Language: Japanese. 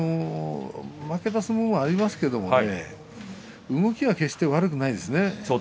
負けた相撲もありますけれど動きは決して悪くないですね